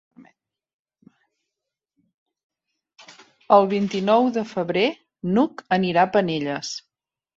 El vint-i-nou de febrer n'Hug anirà a Penelles.